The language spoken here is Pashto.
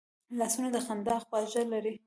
لاسونه د خندا خواږه لري